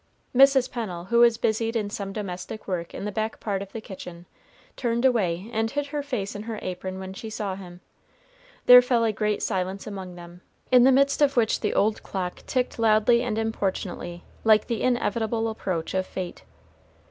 Mrs. Pennel, who was busied in some domestic work in the back part of the kitchen, turned away and hid her face in her apron when she saw him. There fell a great silence among them, in the midst of which the old clock ticked loudly and importunately, like the inevitable approach of fate.